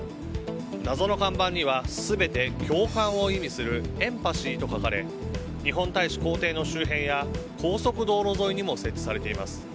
謎の看板には全て共感を意味する「エンパシー」と書かれ日本大使公邸の周辺や高速道路沿いにも設置されています。